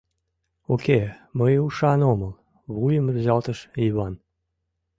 — Уке, мый ушан омыл, — вуйым рӱзалтыш Йыван.